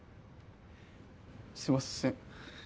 すいません。